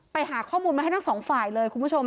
ไปหาข้อมูลมาให้ทั้งสองฝ่ายเลยคุณผู้ชม